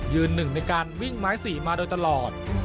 หนึ่งในการวิ่งไม้สี่มาโดยตลอด